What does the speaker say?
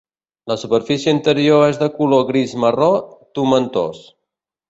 La superfície interior és de color gris marró tomentós.